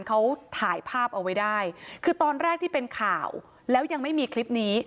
เขาถ่ายภาพเอาไว้ได้คือตอนแรกที่เป็นข่าวแล้วยังไม่มีคลิปนี้